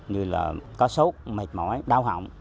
như là có sốt mệt mỏi đau hỏng